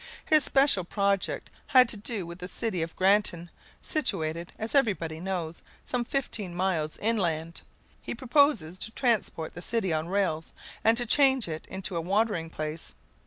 His special project had to do with the city of Granton, situated, as everybody knows, some fifteen miles inland. He proposes to transport the city on rails and to change it into a watering place.